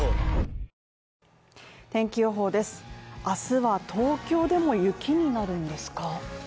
明日は東京でも雪になるんですか。